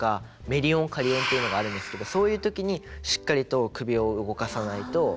メリ音カリ音ていうのがあるんですけどそういう時にしっかりと首を動かさないと。